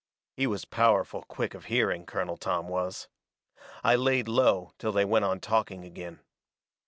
He was powerful quick of hearing, Colonel Tom was. I laid low till they went on talking agin.